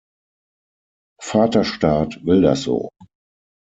Vater Staat will das so.